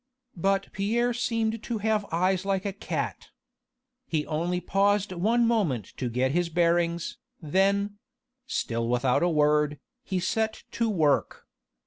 But Pierre seemed to have eyes like a cat. He only paused one moment to get his bearings, then still without a word he set to work.